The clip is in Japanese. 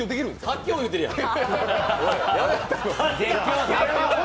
発狂言うてるやん。